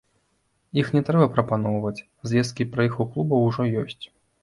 Іх не трэба прапаноўваць, звесткі пра іх у клубаў ужо ёсць.